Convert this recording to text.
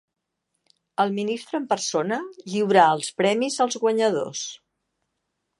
El ministre en persona lliurà els premis als guanyadors.